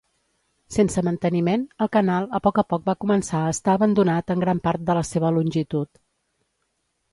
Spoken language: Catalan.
Sense manteniment, el canal a poc a poc va començar a estar abandonat en gran part de la seva longitud.